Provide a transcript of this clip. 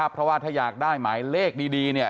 เพราะถ้าอยากได้หมายเลขดี